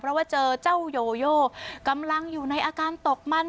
เพราะว่าเจอเจ้าโยโยกำลังอยู่ในอาการตกมัน